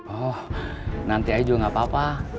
oh nanti aja juga enggak apa apa